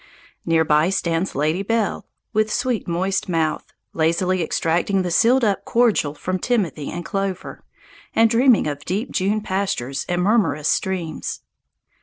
Near by stands Lady Belle, with sweet, moist mouth, lazily extracting the sealed up cordial from timothy and clover, and dreaming of deep June pastures and murmurous streams.